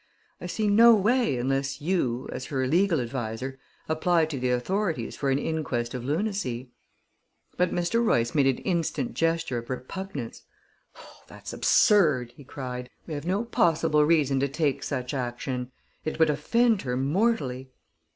I see no way unless you, as her legal adviser, apply to the authorities for an inquest of lunacy." But Mr. Royce made an instant gesture of repugnance. "Oh, that's absurd!" he cried. "We have no possible reason to take such action. It would offend her mortally."